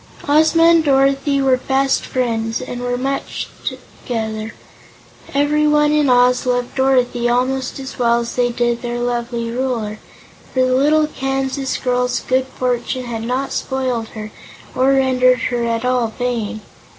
Ozma and Dorothy were fast friends and were much together. Everyone in Oz loved Dorothy almost as well as they did their lovely Ruler, for the little Kansas girl's good fortune had not spoiled her or rendered her at all vain.